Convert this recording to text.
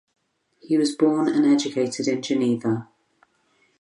He was born and educated in Geneva.